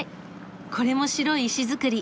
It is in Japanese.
これも白い石造り。